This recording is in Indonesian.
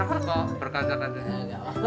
kami juga mencari jalan untuk mencari jalan